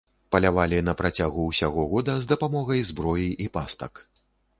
Палявалі на працягу ўсяго года з дапамогай зброі і пастак.